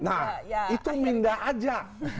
nah itu pindah aja